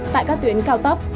tại các tuyến cao tốc